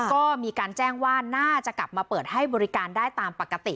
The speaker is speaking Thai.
ก็มีการแจ้งว่าน่าจะกลับมาเปิดให้บริการได้ตามปกติ